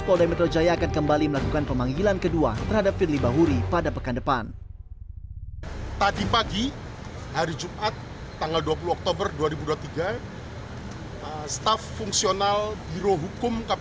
firly yang sebelumnya dijadwalkan hadir pada jumat siang menyatakan ketidakhadirannya melalui surat yang dikirimkan oleh staff fungsional birohukum kpk